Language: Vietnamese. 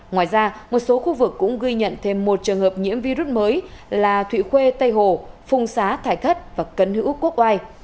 ngoài ra một số khu vực cũng ghi nhận thêm một trường hợp nhiễm virus mới là thụy khuê tây hồ phùng xá thải thất và cấn hữu quốc oai